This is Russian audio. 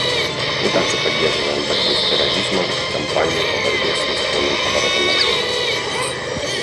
Мы также поддерживаем борьбу с терроризмом и кампанию по борьбе с незаконным оборотом наркотиков.